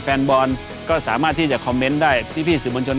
แฟนบอลก็สามารถที่จะได้ที่พี่ศูนย์บรรชน์